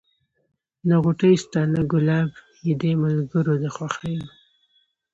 نه غوټۍ سته نه ګلاب یې دی ملګری د خوښیو